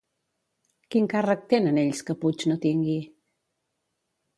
Quin càrrec tenen ells que Puig no tingui?